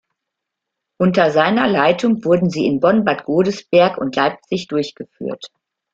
Unter seiner Leitung wurden sie in Bonn-Bad Godesberg und Leipzig durchgeführt.